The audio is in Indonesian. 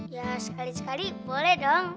ya sekali sekali boleh dong